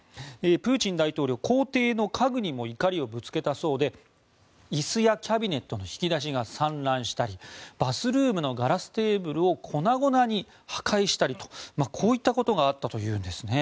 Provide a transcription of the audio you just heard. プーチン大統領公邸の家具にも怒りをぶつけたそうで椅子やキャビネットの引き出しが散乱したりバスルームのガラステーブルを粉々に破壊したりとこういったことがあったというんですね。